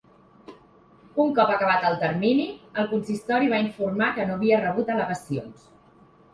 Un cop acabat el termini, el consistori va informar que no havia rebut al·legacions.